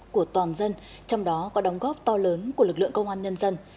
của toàn dân trong đó có đóng góp to lớn của lực lượng công an nhân dân